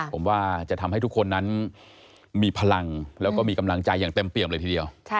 ผมว่าจะทำให้ทุกคนนั้นมีพลังแล้วก็มีกำลังใจอย่างเต็มเปี่ยมเลยทีเดียว